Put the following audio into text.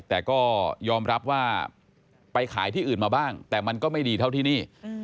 แต่ก็ยอมรับว่าไปขายที่อื่นมาบ้างแต่มันก็ไม่ดีเท่าที่นี่